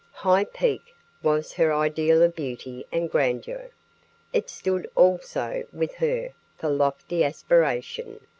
High Peak was her ideal of beauty and grandeur. It stood also, with her, for lofty aspiration.